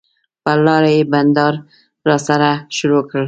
پر لاره یې بنډار راسره شروع کړ.